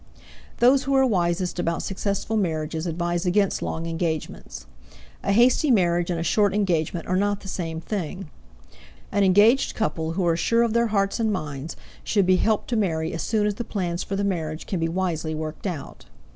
Those who are wisest about successful marriages advise against long engagements. A hasty marriage and a short engagement are not the same thing. An engaged couple who are sure of their hearts and minds should be helped to marry as soon as the plans for the marriage can be wisely worked out.